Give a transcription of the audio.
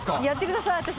やってください。